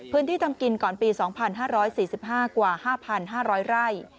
พื้นที่ทำกินก่อนปี๒๕๔๕กว่า๕๕๐๐ไร่